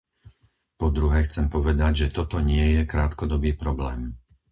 Po druhé chcem povedať, že toto nie je krátkodobý problém.